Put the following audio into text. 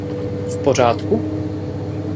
V pořádku?